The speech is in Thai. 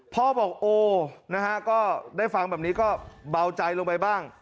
พ่อบอกโอ้นะฮะก็ได้ฟังแบบนี้ก็เบาใจลงไปบ้าง